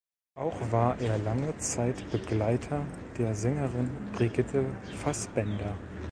Auch war er lange Zeit Begleiter der Sängerin Brigitte Fassbaender.